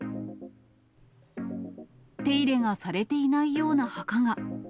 手入れがされていないような墓が。